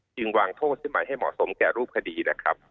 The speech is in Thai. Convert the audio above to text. วางโทษขึ้นมาให้เหมาะสมแก่รูปคดีนะครับ